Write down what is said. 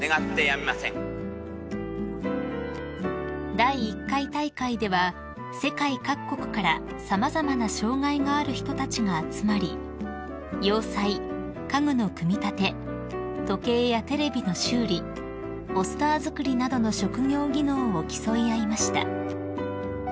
［第１回大会では世界各国から様々な障害がある人たちが集まり洋裁家具の組み立て時計やテレビの修理ポスター作りなどの職業技能を競い合いました］